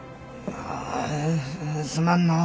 ああすまんのう。